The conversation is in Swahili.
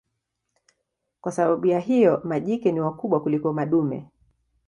Kwa sababu ya hiyo majike ni wakubwa kuliko madume.